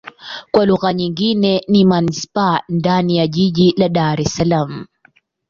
Kwa lugha nyingine ni manisipaa ndani ya jiji la Dar Es Salaam.